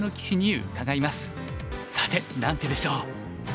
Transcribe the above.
さて何手でしょう？